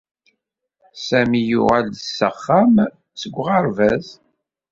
Sami yuɣal-d s axxam seg uɣerbaz.